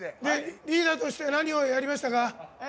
リーダーとして何をやりました？